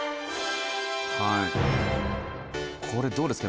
これどうですか？